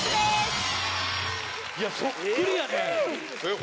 いやそっくりやね！